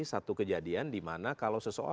satu kejadian di mana kalau